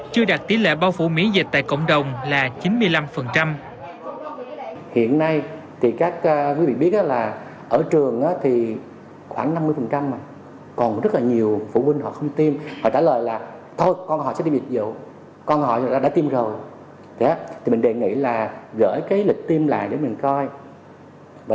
chưa đạt tỷ lệ bao phủ miễn dịch tại cộng đồng là chín mươi năm